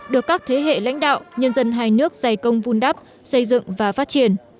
được các thế hệ lãnh đạo nhân dân hai nước giải công vun đắp xây dựng và phát triển